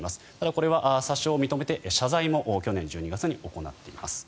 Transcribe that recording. これは詐称を認めて謝罪も去年の１２月に行っています。